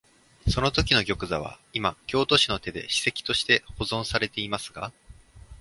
そのときの玉座は、いま京都市の手で史跡として保存されていますが、